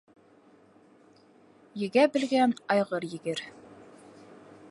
Егә белгән айғыр егер.